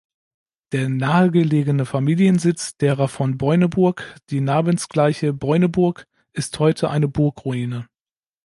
Der nahegelegene Familiensitz derer von Boyneburg, die namensgleiche Boyneburg, ist heute eine Burgruine.